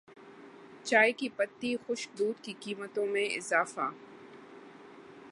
چائے کی پتی خشک دودھ کی قیمتوں میں اضافہ